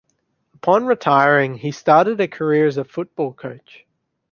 Upon retiring, he started a career as a football coach.